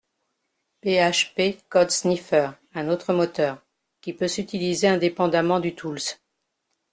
PHP Code Sniffer un autre moteur, qui peut s’utiliser indépendement du Tools.